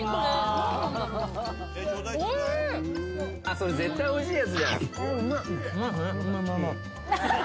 ・それ絶対おいしいやつじゃん。